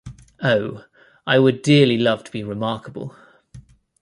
Oh, I would dearly love to be remarkable.